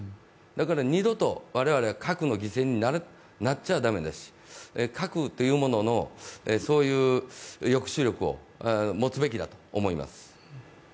だから二度と我々は核の犠牲になっちゃ駄目だし、核というものの、そういう抑止力を持つべきだと思います。